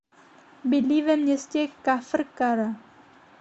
Bydlí ve městě Kafr Kara.